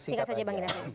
singkat saja bang ina